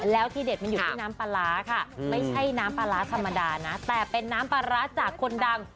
แล้วที่เด็ดมันอยู่ที่น้ำปลาร้าค่ะไม่ใช่น้ำปลาร้าธรรมดานะแต่เป็นน้ำปลาร้าจากคนดัง